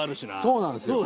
そうなんですよ。